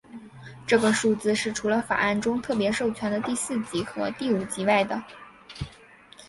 这个数字是除了法案中特别授权的第四级和第五级外的。